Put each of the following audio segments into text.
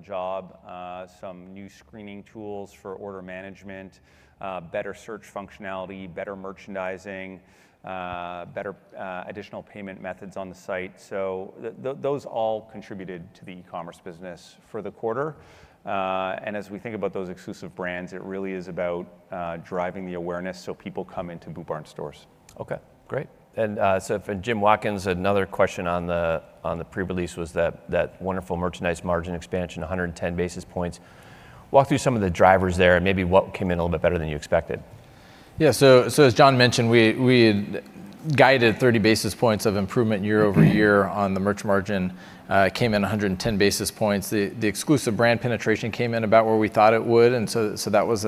Job, some new screening tools for order management, better search functionality, better merchandising, additional payment methods on the site. So those all contributed to the e-commerce business for the quarter. And as we think about those exclusive brands, it really is about driving the awareness so people come into Boot Barn stores. Okay. Great. From Jim Watkins, another question on the pre-release was that wonderful merchandise margin expansion, 110 basis points. Walk through some of the drivers there and maybe what came in a little bit better than you expected. Yeah. So as John mentioned, we had guided 30 basis points of improvement year over year on the merch margin, came in 110 basis points. The exclusive brand penetration came in about where we thought it would. And so that was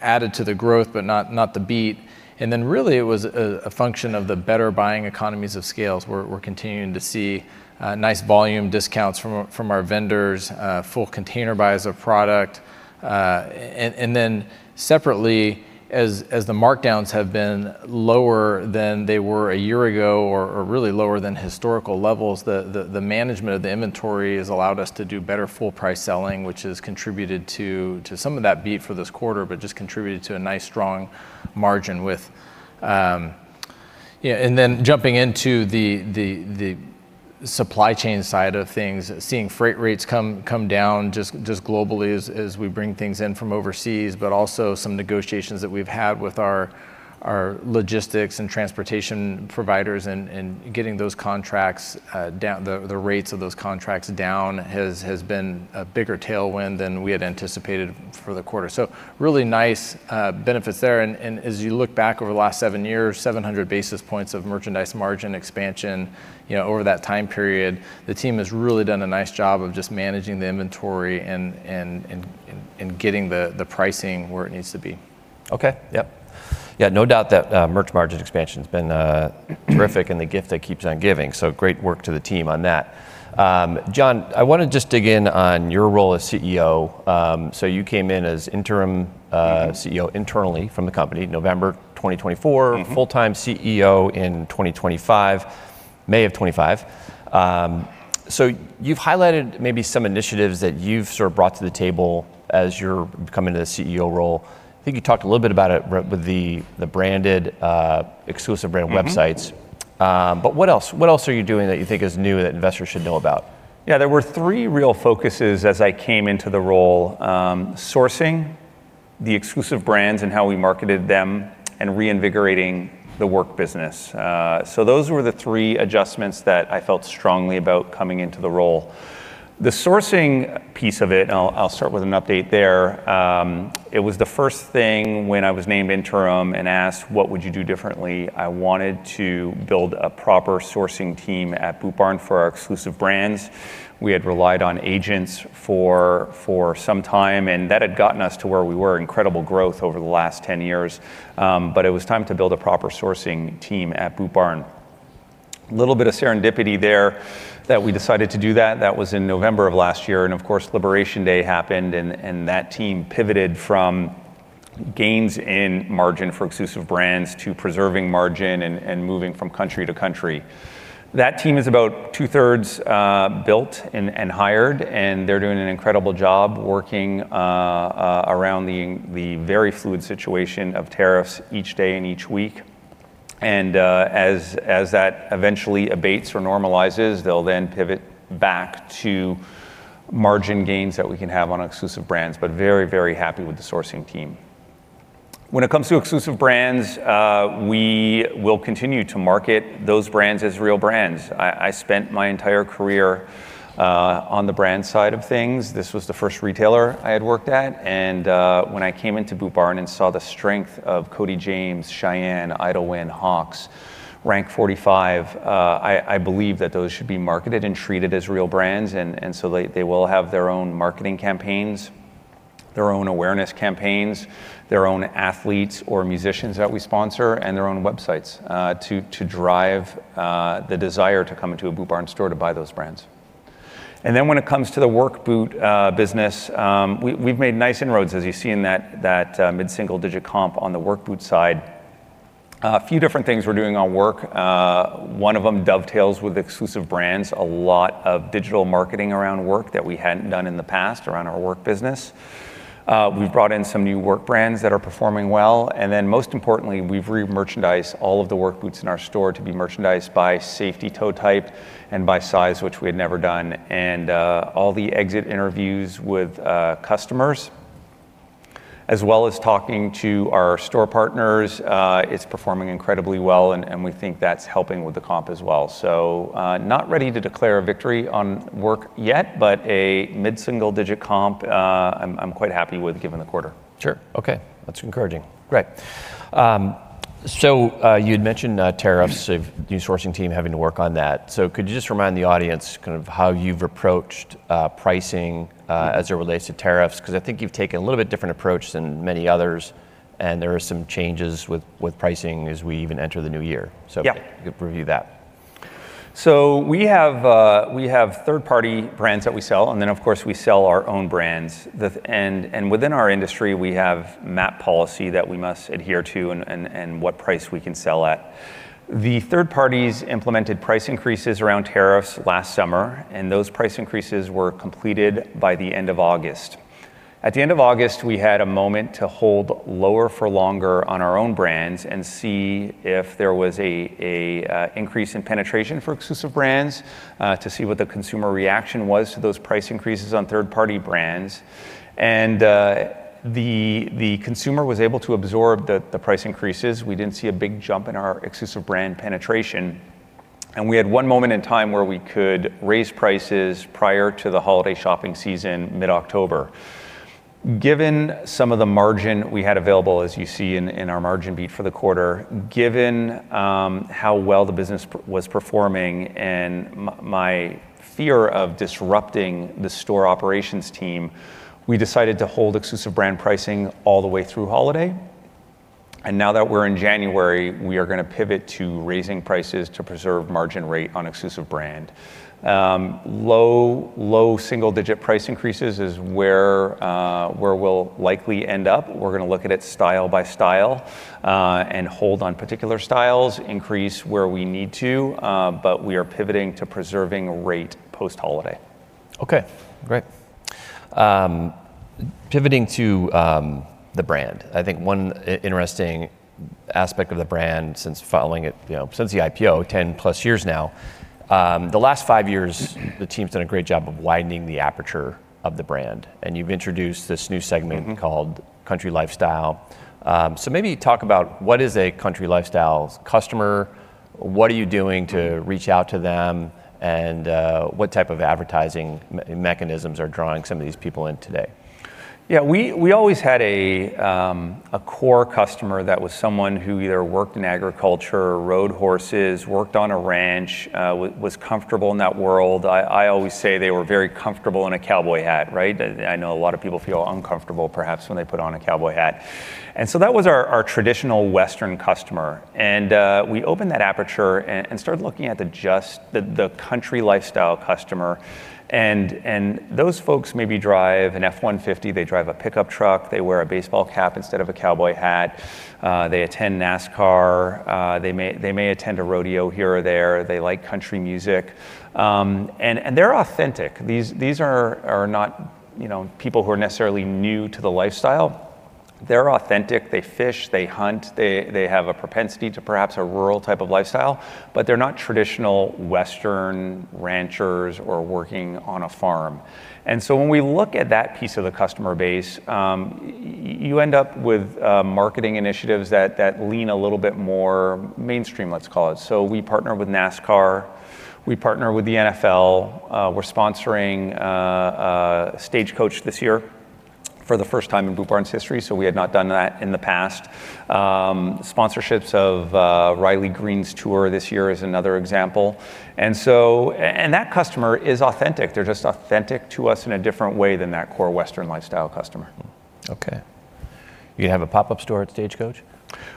added to the growth, but not the beat. And then really it was a function of the better buying economies of scale. We're continuing to see nice volume discounts from our vendors, full container buys of product. And then separately, as the markdowns have been lower than they were a year ago or really lower than historical levels, the management of the inventory has allowed us to do better full price selling, which has contributed to some of that beat for this quarter, but just contributed to a nice strong margin, you know, and then jumping into the supply chain side of things, seeing freight rates come down just globally as we bring things in from overseas, but also some negotiations that we've had with our logistics and transportation providers and getting those contracts down, the rates of those contracts down has been a bigger tailwind than we had anticipated for the quarter. So, really nice benefits there. As you look back over the last seven years, 700 basis points of merchandise margin expansion, you know, over that time period, the team has really done a nice job of just managing the inventory and getting the pricing where it needs to be. Okay. Yep. Yeah. No doubt that merch margin expansion's been terrific and the gift that keeps on giving. So great work to the team on that. John, I want to just dig in on your role as CEO. So you came in as interim CEO internally from the company, November 2024, full-time CEO in 2025, May of 2025. So you've highlighted maybe some initiatives that you've sort of brought to the table as you're coming to the CEO role. I think you talked a little bit about it with the branded exclusive brand websites. But what else, what else are you doing that you think is new that investors should know about? Yeah. There were three real focuses as I came into the role, sourcing the exclusive brands and how we marketed them and reinvigorating the work business, so those were the three adjustments that I felt strongly about coming into the role. The sourcing piece of it, and I'll start with an update there. It was the first thing when I was named interim and asked, what would you do differently? I wanted to build a proper sourcing team at Boot Barn for our exclusive brands. We had relied on agents for some time, and that had gotten us to where we were, incredible growth over the last 10 years, but it was time to build a proper sourcing team at Boot Barn. A little bit of serendipity there that we decided to do that. That was in November of last year. And of course, Liberation Day happened and that team pivoted from gains in margin for exclusive brands to preserving margin and moving from country to country. That team is about two-thirds built and hired, and they're doing an incredible job working around the very fluid situation of tariffs each day and each week. And as that eventually abates or normalizes, they'll then pivot back to margin gains that we can have on exclusive brands, but very, very happy with the sourcing team. When it comes to exclusive brands, we will continue to market those brands as real brands. I spent my entire career on the brand side of things. This was the first retailer I had worked at. And when I came into Boot Barn and saw the strength of Cody James, Shyanne, Idyllwind, Hawx, Rank 45, I believe that those should be marketed and treated as real brands. And so they will have their own marketing campaigns, their own awareness campaigns, their own athletes or musicians that we sponsor, and their own websites to drive the desire to come into a Boot Barn store to buy those brands. And then when it comes to the work boot business, we've made nice inroads as you see in that mid-single digit comp on the work boot side. A few different things we're doing on work. One of them dovetails with exclusive brands, a lot of digital marketing around work that we hadn't done in the past around our work business. We've brought in some new work brands that are performing well. And then most importantly, we've re-merchandised all of the work boots in our store to be merchandised by safety toe type and by size, which we had never done. And all the exit interviews with customers, as well as talking to our store partners, it's performing incredibly well and we think that's helping with the comp as well. So, not ready to declare a victory on work yet, but a mid-single-digit comp, I'm quite happy with given the quarter. Sure. Okay. That's encouraging. Great. So, you had mentioned tariffs, so new sourcing team having to work on that. So could you just remind the audience kind of how you've approached pricing, as it relates to tariffs? Because I think you've taken a little bit different approach than many others, and there are some changes with pricing as we even enter the new year. So. Yep. Review that. We have third-party brands that we sell, and then of course we sell our own brands. Within our industry, we have MAP policy that we must adhere to and what price we can sell at. The third parties implemented price increases around tariffs last summer, and those price increases were completed by the end of August. At the end of August, we had a moment to hold lower for longer on our own brands and see if there was an increase in penetration for exclusive brands, to see what the consumer reaction was to those price increases on third-party brands. The consumer was able to absorb the price increases. We didn't see a big jump in our exclusive brand penetration. We had one moment in time where we could raise prices prior to the holiday shopping season, mid-October. Given some of the margin we had available, as you see in our margin beat for the quarter, given how well the business was performing and my fear of disrupting the store operations team, we decided to hold exclusive brand pricing all the way through holiday. Now that we're in January, we are going to pivot to raising prices to preserve margin rate on exclusive brand. Low single-digit price increases is where we'll likely end up. We're going to look at it style by style, and hold on particular styles, increase where we need to, but we are pivoting to preserving rate post-holiday. Okay. Great. Pivoting to the brand, I think one interesting aspect of the brand since following it, you know, since the IPO, 10 plus years now, the last five years, the team's done a great job of widening the aperture of the brand, and you've introduced this new segment called Country Lifestyle, so maybe talk about what is a Country Lifestyle customer? What are you doing to reach out to them? And what type of advertising mechanisms are drawing some of these people in today? Yeah. We always had a core customer that was someone who either worked in agriculture, rode horses, worked on a ranch, was comfortable in that world. I always say they were very comfortable in a cowboy hat, right? I know a lot of people feel uncomfortable perhaps when they put on a cowboy hat. And we opened that aperture and started looking at just the Country Lifestyle customer. And those folks maybe drive an F-150, they drive a pickup truck, they wear a baseball cap instead of a cowboy hat. They attend NASCAR. They may attend a rodeo here or there. They like country music. And they're authentic. These are not, you know, people who are necessarily new to the lifestyle. They're authentic. They fish, they hunt, they have a propensity to perhaps a rural type of lifestyle, but they're not traditional Western ranchers or working on a farm. And so when we look at that piece of the customer base, you end up with marketing initiatives that lean a little bit more mainstream, let's call it. So we partner with NASCAR. We partner with the NFL. We're sponsoring Stagecoach this year for the first time in Boot Barn's history. So we had not done that in the past. Sponsorships of Riley Green's tour this year is another example. And so that customer is authentic. They're just authentic to us in a different way than that core Western lifestyle customer. Okay. You have a pop-up store at Stagecoach?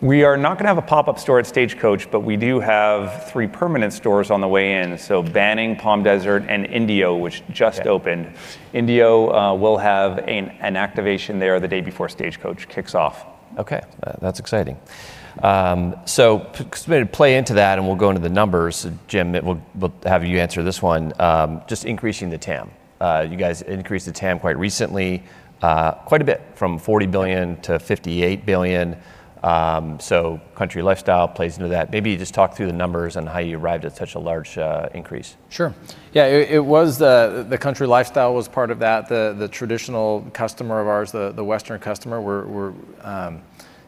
We are not going to have a pop-up store at Stagecoach, but we do have three permanent stores on the way in. So Banning, Palm Desert, and Indio, which just opened. Indio will have an activation there the day before Stagecoach kicks off. Okay. That's exciting, so play into that and we'll go into the numbers. Jim, we'll have you answer this one. Just increasing the TAM. You guys increased the TAM quite recently, quite a bit from $40 billion-$58 billion, so Country Lifestyle plays into that. Maybe you just talk through the numbers and how you arrived at such a large increase. Sure. Yeah. It was the Country Lifestyle was part of that. The traditional customer of ours, the Western customer, we're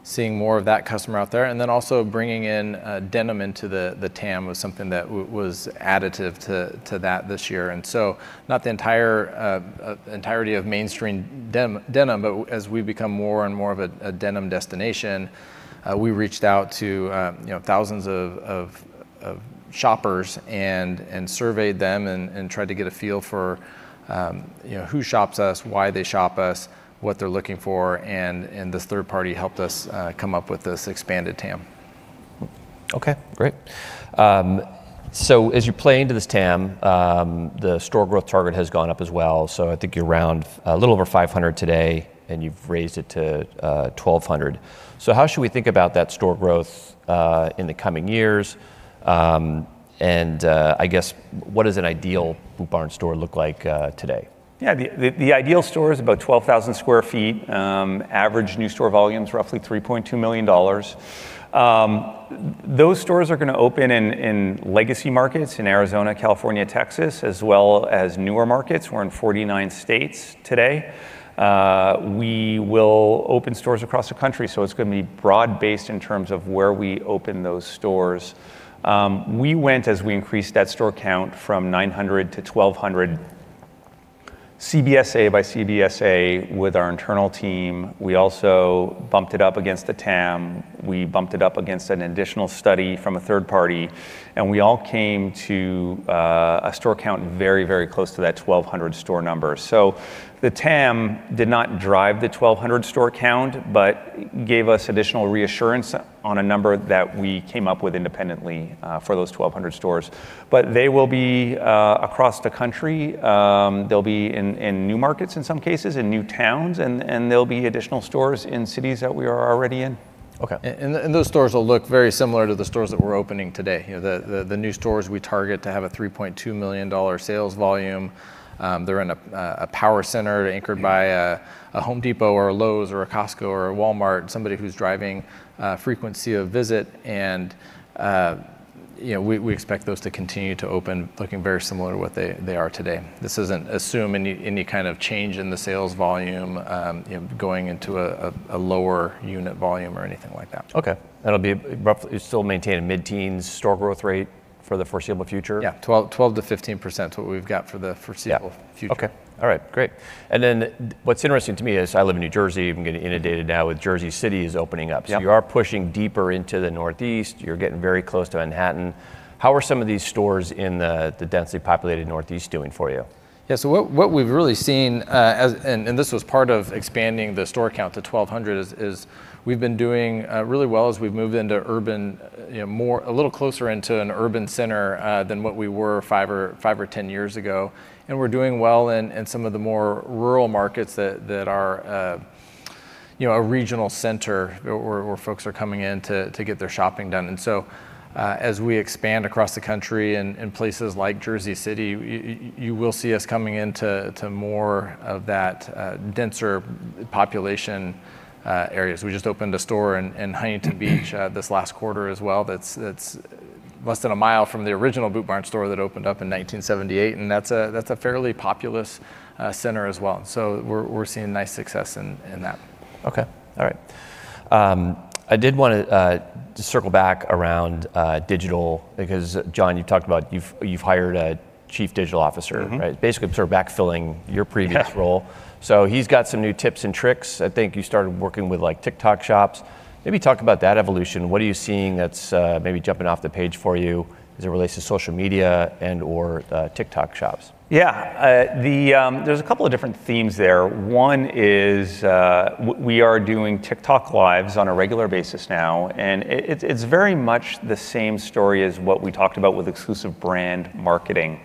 seeing more of that customer out there. And then also bringing in denim into the TAM was something that was additive to that this year. And so not the entirety of mainstream denim, but as we become more and more of a denim destination, we reached out to, you know, thousands of shoppers and surveyed them and tried to get a feel for, you know, who shops us, why they shop us, what they're looking for. And this third party helped us come up with this expanded TAM. Okay. Great. So as you play into this TAM, the store growth target has gone up as well. So I think you're around a little over 500 today and you've raised it to 1,200. So how should we think about that store growth in the coming years? And I guess what does an ideal Boot Barn store look like today? Yeah. The ideal store is about 12,000 sq ft. Average new store volume's roughly $3.2 million. Those stores are gonna open in legacy markets in Arizona, California, Texas, as well as newer markets. We're in 49 states today. We will open stores across the country. So it's gonna be broad-based in terms of where we open those stores. We went, as we increased that store count from 900 to 1,200 CBSA by CBSA with our internal team. We also bumped it up against the TAM. We bumped it up against an additional study from a third party, and we all came to a store count very, very close to that 1,200 store number. So the TAM did not drive the 1,200 store count, but gave us additional reassurance on a number that we came up with independently, for those 1,200 stores. But they will be across the country. They'll be in new markets in some cases, in new towns, and there'll be additional stores in cities that we are already in. Okay. Those stores will look very similar to the stores that we're opening today. You know, the new stores we target to have a $3.2 million sales volume. They're in a power center anchored by a Home Depot or a Lowe's or a Costco or a Walmart, somebody who's driving frequency of visit. You know, we expect those to continue to open, looking very similar to what they are today. This doesn't assume any kind of change in the sales volume, you know, going into a lower unit volume or anything like that. Okay. That'll be roughly still maintain a mid-teens store growth rate for the foreseeable future? Yeah, 12%-15% is what we've got for the foreseeable future. Yeah. Okay. All right. Great. And then what's interesting to me is I live in New Jersey. I'm getting inundated now with Jersey City is opening up. Yeah. So you are pushing deeper into the Northeast. You're getting very close to Manhattan. How are some of these stores in the densely populated Northeast doing for you? Yeah. So what we've really seen, as and this was part of expanding the store count to 1,200 is we've been doing really well as we've moved into urban, you know, more a little closer into an urban center, than what we were five or 10 years ago. And we're doing well in some of the more rural markets that are, you know, a regional center where folks are coming in to get their shopping done. And so, as we expand across the country and places like Jersey City, you will see us coming into more of that denser population areas. We just opened a store in Huntington Beach, this last quarter as well. That's less than a mile from the original Boot Barn store that opened up in 1978. And that's a fairly populous center as well. So we're seeing nice success in that. Okay. All right. I did wanna circle back around to digital because, John, you've talked about you've hired a chief digital officer, right? Mm-hmm. Basically sort of backfilling your previous role. So he's got some new tips and tricks. I think you started working with like TikTok shops. Maybe talk about that evolution. What are you seeing that's maybe jumping off the page for you as it relates to social media and/or TikTok shops? Yeah. There's a couple of different themes there. One is, we are doing TikTok lives on a regular basis now. And it's very much the same story as what we talked about with exclusive brand marketing.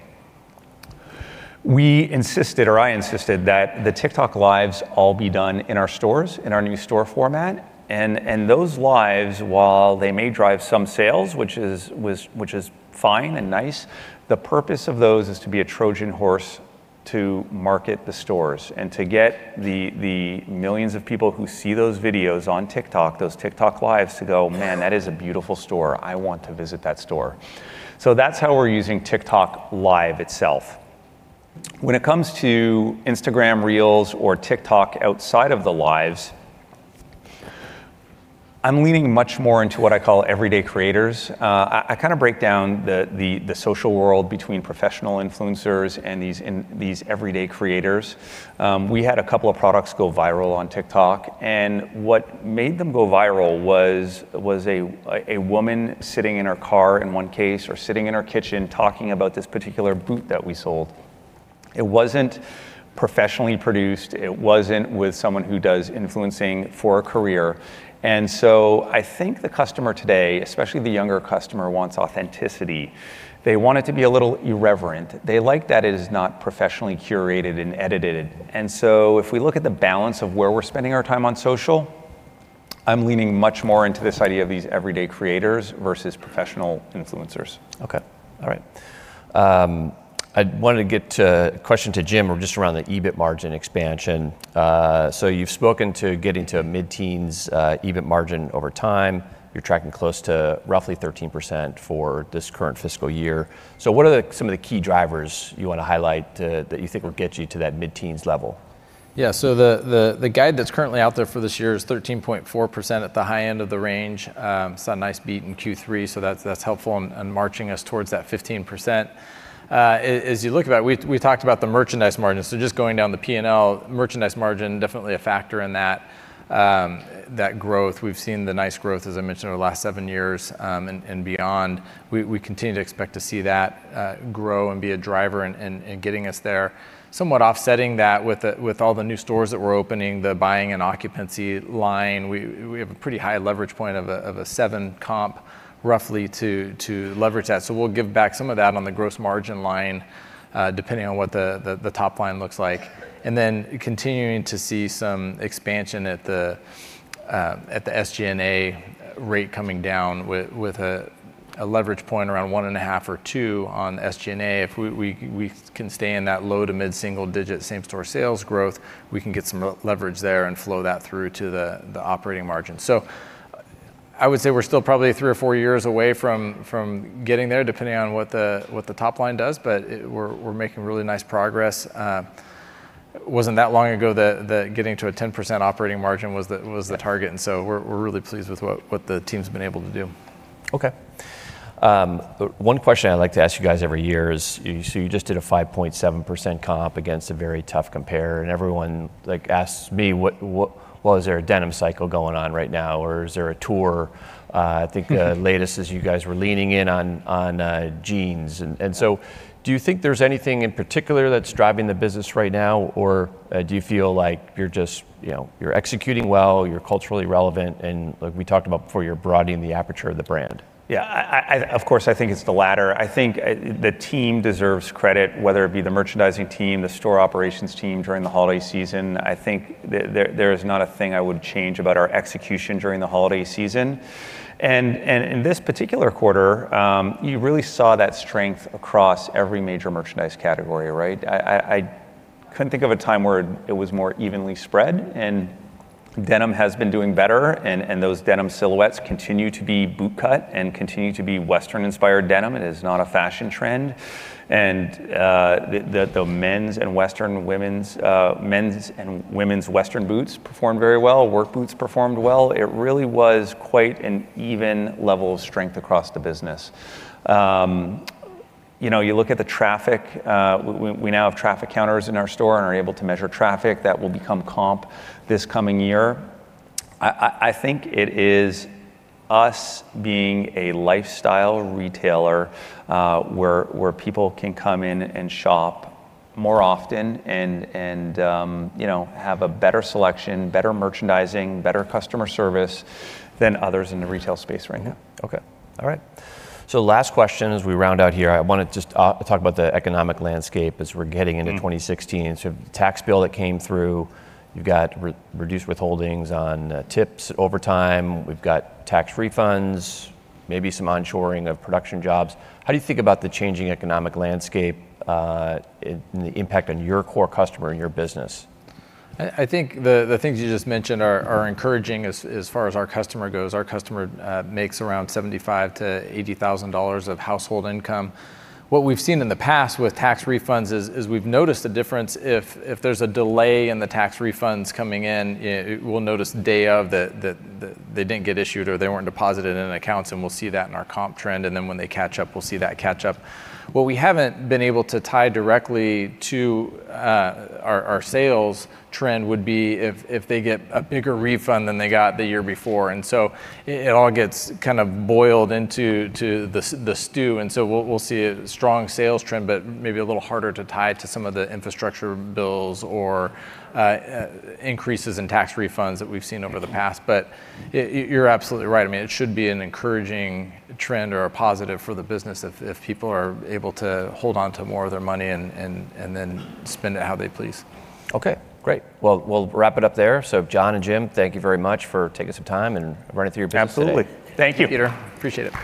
We insisted, or I insisted, that the TikTok lives all be done in our stores, in our new store format. And those lives, while they may drive some sales, which is fine and nice, the purpose of those is to be a Trojan horse to market the stores and to get the millions of people who see those videos on TikTok, those TikTok lives to go, "Man, that is a beautiful store. I want to visit that store." So that's how we're using TikTok live itself. When it comes to Instagram Reels or TikTok outside of the lives, I'm leaning much more into what I call everyday creators. I kind of break down the social world between professional influencers and these everyday creators. We had a couple of products go viral on TikTok, and what made them go viral was a woman sitting in her car in one case or sitting in her kitchen talking about this particular boot that we sold. It wasn't professionally produced. It wasn't with someone who does influencing for a career. And so I think the customer today, especially the younger customer, wants authenticity. They want it to be a little irreverent. They like that it is not professionally curated and edited. And so if we look at the balance of where we're spending our time on social, I'm leaning much more into this idea of these everyday creators versus professional influencers. Okay. All right. I wanted to get to a question to Jim. We're just around the EBIT margin expansion. So you've spoken to getting to a mid-teens EBIT margin over time. You're tracking close to roughly 13% for this current fiscal year. So, what are some of the key drivers you wanna highlight that you think will get you to that mid-teens level? Yeah. So the guide that's currently out there for this year is 13.4% at the high end of the range. It's a nice beat in Q3. So that's helpful in marching us towards that 15%. As you look at that, we've talked about the merchandise margin. So just going down the P&L, merchandise margin, definitely a factor in that growth. We've seen the nice growth, as I mentioned, over the last seven years, and beyond. We continue to expect to see that grow and be a driver in getting us there. Somewhat offsetting that with all the new stores that we're opening, the buying and occupancy line. We have a pretty high leverage point of a seven comp roughly to leverage that. So we'll give back some of that on the gross margin line, depending on what the top line looks like. And then continuing to see some expansion at the SG&A rate coming down with a leverage point around one and a half or two on SG&A. If we can stay in that low to mid-single digit same store sales growth, we can get some leverage there and flow that through to the operating margin. So I would say we're still probably three or four years away from getting there, depending on what the top line does. But we're making really nice progress. Wasn't that long ago that getting to a 10% operating margin was the target. And so we're really pleased with what the team's been able to do. Okay. One question I like to ask you guys every year is, so you just did a 5.7% comp against a very tough compare. And everyone like asks me what, well, is there a denim cycle going on right now or is there a tour? I think the latest is you guys were leaning in on jeans. And so do you think there's anything in particular that's driving the business right now or do you feel like you're just, you know, you're executing well, you're culturally relevant? And like we talked about before, you're broadening the aperture of the brand. Yeah. Of course, I think it's the latter. I think the team deserves credit, whether it be the merchandising team, the store operations team during the holiday season. I think there is not a thing I would change about our execution during the holiday season. In this particular quarter, you really saw that strength across every major merchandise category, right? I couldn't think of a time where it was more evenly spread. And denim has been doing better. And those denim silhouettes continue to be boot cut and continue to be Western inspired denim. It is not a fashion trend. And the men's and women's Western boots performed very well. Work boots performed well. It really was quite an even level of strength across the business. You know, you look at the traffic. We now have traffic counters in our store and are able to measure traffic that will become comp this coming year. I think it is us being a lifestyle retailer, where people can come in and shop more often and you know, have a better selection, better merchandising, better customer service than others in the retail space right now. Last question as we round out here, I wanna just talk about the economic landscape as we're getting into 2026. The tax bill that came through, you've got reduced withholdings on tips over time. We've got tax refunds, maybe some onshoring of production jobs. How do you think about the changing economic landscape, and the impact on your core customer and your business? I think the things you just mentioned are encouraging as far as our customer goes. Our customer makes around $75,000-$80,000 of household income. What we've seen in the past with tax refunds is we've noticed a difference. If there's a delay in the tax refunds coming in, you know, we'll notice the day that they didn't get issued or they weren't deposited in accounts, and we'll see that in our comp trend, and then when they catch up, we'll see that catch up. What we haven't been able to tie directly to our sales trend would be if they get a bigger refund than they got the year before, and so it all gets kind of boiled into the stew. And so we'll see a strong sales trend, but maybe a little harder to tie to some of the infrastructure bills or increases in tax refunds that we've seen over the past. But you're absolutely right. I mean, it should be an encouraging trend or a positive for the business if people are able to hold onto more of their money and then spend it how they please. Okay. Great. Well, we'll wrap it up there. So John and Jim, thank you very much for taking some time and running through your business. Absolutely. Thank you, Peter. Appreciate it.